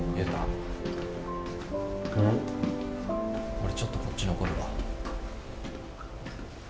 俺ちょっとこっち残るわ。